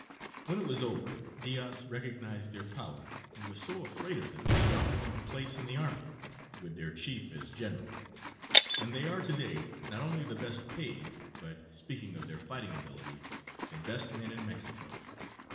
When it was over Diaz recognized their power, and was so afraid of them that he offered them a place in the army, with their chief as general, and they are to day not only the best paid, but speaking of their fighting ability the best men in Mexico.